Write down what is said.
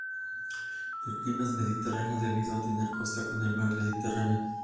El clima es Mediterráneo debido a tener costa con el mar Mediterráneo.